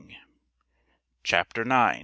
CHAPTER IX.